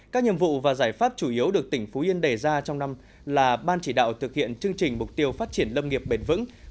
các nhiệm vụ và giải pháp chủ yếu được tỉnh phú yên đề ra trong năm là ban chỉ đạo thực hiện chương trình mục tiêu phát triển lâm nghiệp bền vững